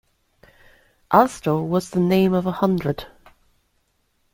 Alstoe was the name of a hundred.